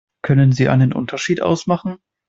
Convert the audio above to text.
Können Sie einen Unterschied ausmachen?